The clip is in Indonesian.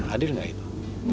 adil nggak itu